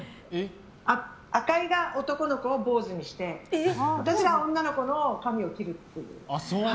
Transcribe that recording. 赤井が男の子を坊主にして私は女の子の髪を切るという。